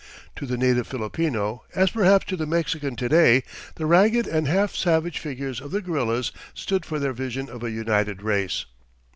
To the native Filipino, as perhaps to the Mexican to day, the ragged and half savage figures of the guerillas stood for their vision of a united race.